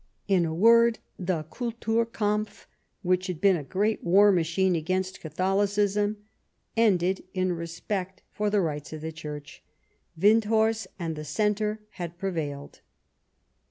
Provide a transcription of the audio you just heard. In a word, the Kulturkampf, which had been a great war machine against Catholicism, ended in respect for the rights of the Church. Windthorst and the Centre had prevailed.